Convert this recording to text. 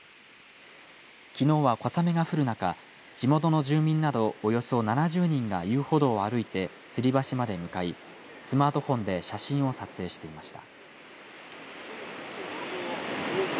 きのうは小雨が降る中地元の住民などおよそ７０人が遊歩道を歩いてつり橋まで向かいスマートフォンで写真を撮影していました。